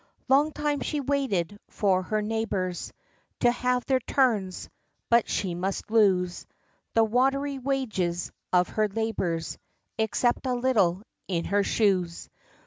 Long time she waited for her neighbors, To have their turns: but she must lose The watery wages of her labors, Except a little in her shoes!